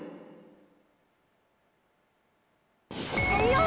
よし！